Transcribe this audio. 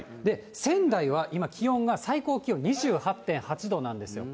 仙台は今、気温が最高気温２８．８度なんです。